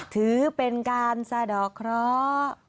ถือเป็นการสะดอกเคราะห์